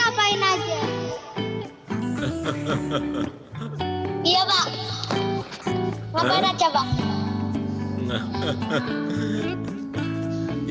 iya pak ngapain aja pak